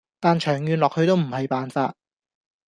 但長遠落去都唔係辦法